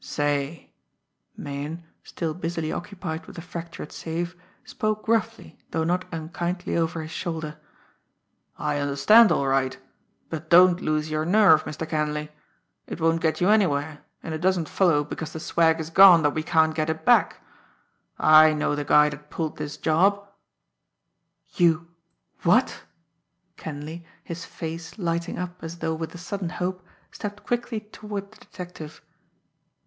"Say" Meighan, still busily occupied with the fractured safe, spoke gruffly, though not unkindly, over his shoulder "I understand all right, but don't lose your nerve, Mr. Kenleigh. It won't get you anywhere, and it doesn't follow because the swag is gone that we can't get it back. I know the guy that pulled this job." "You what!" Kenleigh, his face lighting up as though with a sudden hope, stepped quickly toward the detective.